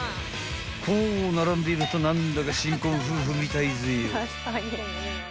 ［こう並んでいると何だか新婚夫婦みたいぜよ］